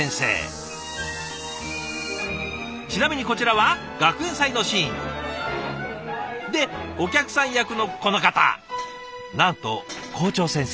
ちなみにこちらは学園祭のシーン。でお客さん役のこの方なんと校長先生。